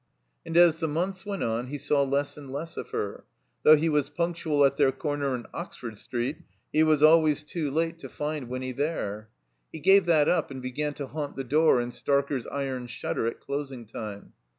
And as the months went on he saw less and less of her. Though he was pimctual at their comer in Orford Street, he was always too late to find Winny there. He gave that up, and began to haunt the door in Starker's iron shutter at closing time.